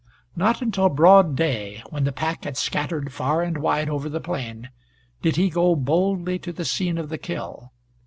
Not until broad day, when the pack had scattered far and wide over the plain, did he go boldly to the scene of the kill.